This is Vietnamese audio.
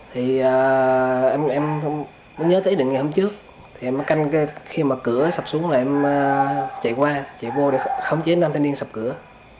thì em nhớ tới đến ngày hôm trước em canh khi mà cửa sập xuống là em chạy qua chạy vô để khống chế nam thanh niên sập cửa